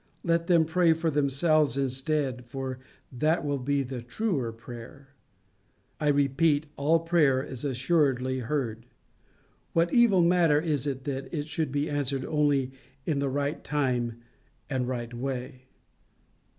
Let them pray for themselves instead, for that will be the truer prayer. I repeat, all prayer is assuredly heard: what evil matter is it that it should be answered only in the right time and right way?